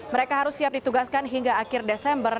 mereka harus siap ditugaskan hingga akhir desember